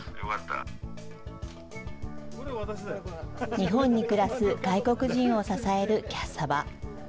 日本に暮らす外国人を支えるキャッサバ。